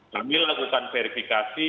kami lakukan verifikasi